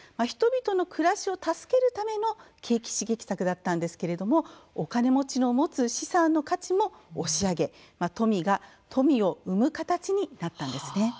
人々の暮らしを助けるための景気刺激策だったんですけれどもお金持ちの持つ資産の価値も押し上げ、富が富を生む形になったんですね。